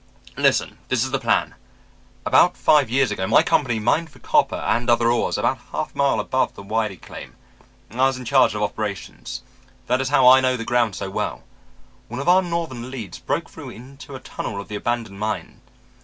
Listen. This is the plan. About five years ago my company mined for copper and other ores about a half mile above the Wiley claim. I was in charge of operations. That is how I know the ground so well. One of our northern leads broke through into a tunnel of the abandoned mine.